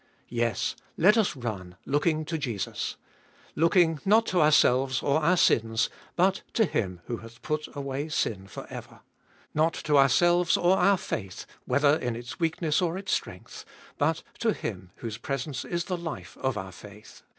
Yes, let us run, looking to Jesus. Looking, not to ourselves or our sins, but to Him who hath put away sin for ever. Not to ourselves or our faith, whether in its weakness or its strength, but to Him whose presence is the life of our faith.